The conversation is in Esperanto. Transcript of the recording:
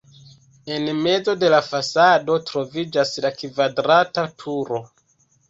En mezo de la fasado troviĝas la kvadrata turo.